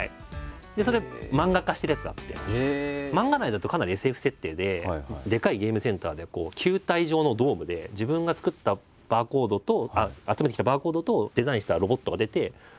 それ漫画化してるやつがあって漫画内だとかなりＳＦ設定ででかいゲームセンターで球体状のドームで自分が作ったバーコードと集めてきたバーコードとデザインしたロボットが出て戦うんですよ。